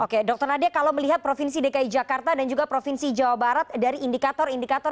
oke dr nadia kalau melihat provinsi dki jakarta dan juga provinsi jawa barat dari indikator indikator